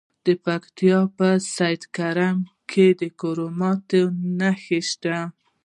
د پکتیا په سید کرم کې د کرومایټ نښې شته.